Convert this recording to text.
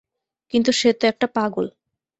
কিন্তু সে তো একটা পাগল।